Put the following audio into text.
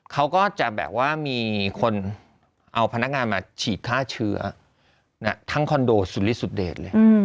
เขาก็จะแบบว่ามีคนเอาพนักงานมาฉีดฆ่าเชื้อทั้งคอนโดสุริสุดเดชเลย